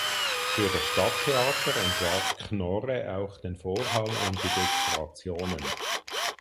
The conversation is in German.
Für das Stadttheater entwarf Knorre auch den Vorhang und die Dekorationen.